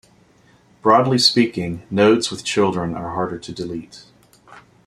Broadly speaking, nodes with children are harder to delete.